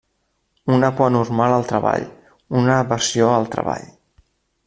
Una por anormal al treball; Una aversió al treball.